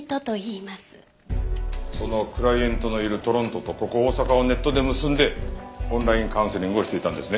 そのクライエントのいるトロントとここ大阪をネットで結んでオンラインカウンセリングをしていたんですね？